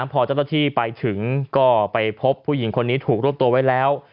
พอเจ้าหน้าที่ไปถึงก็ไปพบผู้หญิงคนนี้ถูกรวบตัวไว้แล้ว